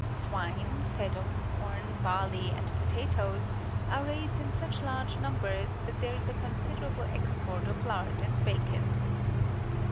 Swine, fed on corn, barley, and potatoes, are raised in such large numbers that there is a considerable export of lard and bacon.